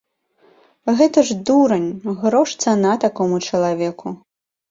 Гэта ж дурань, грош цана такому чалавеку.